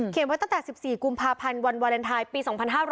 ไว้ตั้งแต่๑๔กุมภาพันธ์วันวาเลนไทยปี๒๕๖๐